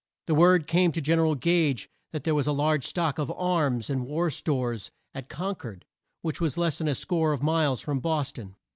Then word came to Gen er al Gage that there was a large stock of arms and war stores at Con cord, which was less than a score of miles from Bos ton.